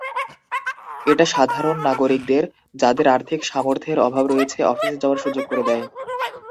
এটা সাধারণ নাগরিকদের, যাদের আর্থিক সামর্থের অভাব রয়েছে, অফিসে যাওয়ার সুযোগ করে দেয়।